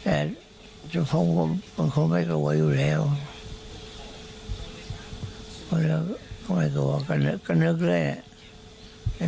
แต่จุภงค์ก็ไม่กลัวอยู่แล้วก็ไม่กลัวก็นึกเลยเนี่ย